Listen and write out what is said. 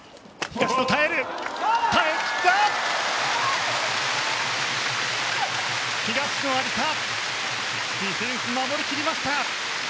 東野有紗、ディフェンス守り切りました！